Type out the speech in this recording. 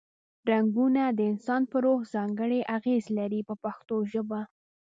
رنګونه د انسان په روح ځانګړې اغیزې لري په پښتو ژبه.